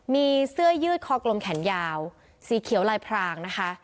มีเสื้อยืดคอกลมแขนยาวสีเขียวลายพรางนะคะ